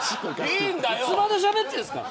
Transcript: いつまでしゃべってんですか。